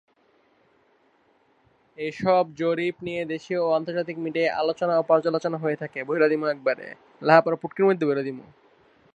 এসব জরিপ নিয়ে দেশীয় ও আন্তর্জাতিক মিডিয়ায় আলোচনা ও পর্যালোচনা হয়ে থাকে।